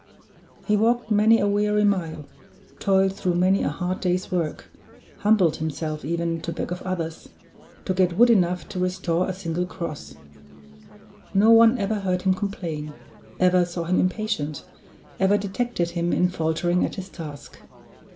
He walked many a weary mile, toiled through many a hard day's work, humbled himself even to beg of others, to get wood enough to restore a single cross. No one ever heard him complain, ever saw him impatient, ever detected him in faltering at his task.